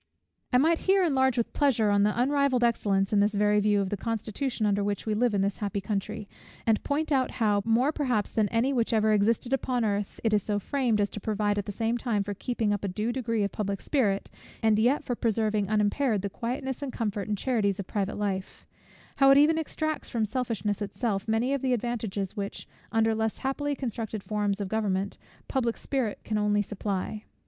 I might here enlarge with pleasure on the unrivalled excellence, in this very view, of the constitution under which we live in this happy country; and point out how, more perhaps than any which ever existed upon earth, it is so framed, as to provide at the same time for keeping up a due degree of public spirit, and yet for preserving unimpaired the quietness, and comfort, and charities of private life; how it even extracts from selfishness itself many of the advantages which, under less happily constructed forms of government, public spirit only can supply.